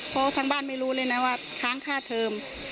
เพราะทั้งบ้านไม่รู้เลยนะว่าค้างค่าเทอม